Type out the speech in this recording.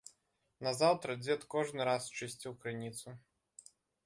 Назаўтра дзед кожны раз чысціў крыніцу.